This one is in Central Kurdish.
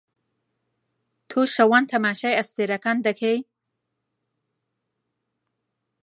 تۆ شەوان تەماشای ئەستێرەکان دەکەی؟